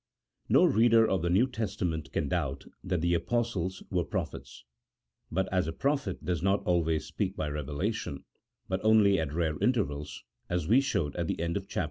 NO reader of the New Testament can doubt that the Apostles were prophets ; but as a prophet does not always speak by revelation, but only at rare intervals, as we showed at the end of Chap.